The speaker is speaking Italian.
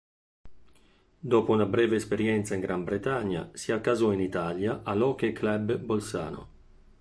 Dopo una breve esperienza in Gran Bretagna, si accasò in Italia, all'Hockey Club Bolzano.